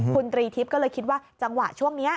คุณตรีทิพย์ก็เลยคิดว่าจังหวะช่วงนี้